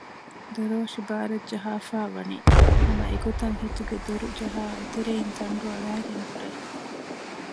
ދޮރޯށި ބާރަށް ޖަހާފައި ވަނީ ހަމަ އެގޮތަށް ހިތުގެ ދޮރުޖަހައި އެތެރެއިން ތަންޑު އަޅައިގެން ހުރޭ